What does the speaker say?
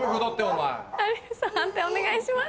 判定お願いします。